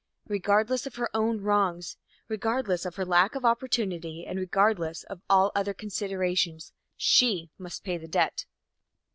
Regardless of her own wrongs, regardless of her lack of opportunity and regardless of all other considerations, she must pay that debt.